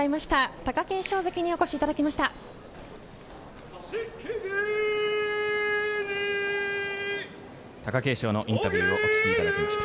貴景勝関にお越しいただきました。